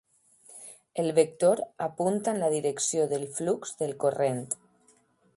El vector apunta en la direcció del flux del corrent.